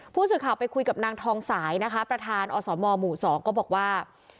ผู้สื่อข่าวไปคุยกับนางทองสายนะคะประธานอสมหมู่๒ก็บอกว่า